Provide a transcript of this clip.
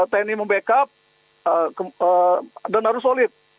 tni membackup dan harus solid